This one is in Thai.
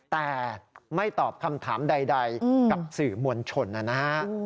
แต่ไม่ตอบคำถามใดกับสื่อมวลชนนะฮะ